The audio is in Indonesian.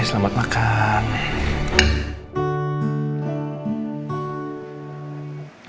oke selamat makan